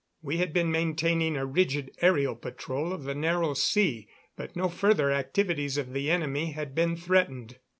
We had been maintaining a rigid aërial patrol of the Narrow Sea, but no further activities of the enemy had been threatened.